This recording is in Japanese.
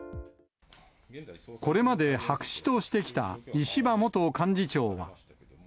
これまで白紙としてきた石破元幹事長は。